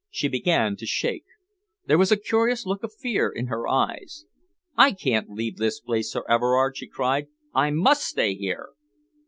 She began to shake. There was a curious look of fear in her eyes. "I can't leave this place, Sir Everard," she cried. "I must stay here!"